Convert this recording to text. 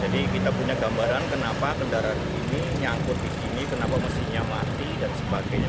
jadi kita punya gambaran kenapa kendaraan ini nyangkut di sini kenapa mesinnya mati dan sebagainya